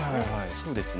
そうですね。